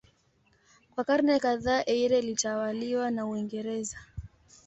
Kwa karne kadhaa Eire ilitawaliwa na Uingereza.